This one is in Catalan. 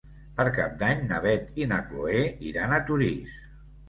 Per Cap d'Any na Beth i na Chloé iran a Torís.